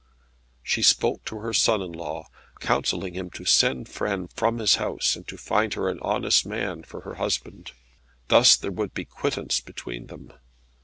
She spoke to her son in law, counselling him to send Frêne from his house, and to find her an honest man for her husband. Thus there would be quittance between them.